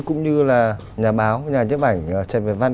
cũng như là nhà báo nhà nhếp ảnh trần việt văn